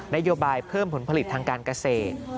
นโยบายเพิ่มผลผลิตทางการเกษตร